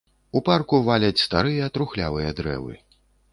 У парку валяць старыя трухлявыя дрэвы.